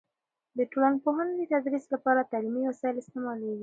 د ټولنپوهنې د تدریس لپاره تعلیمي وسایل استعمالیږي.